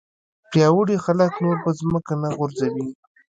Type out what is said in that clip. پیاوړي خلک نور په ځمکه نه غورځوي.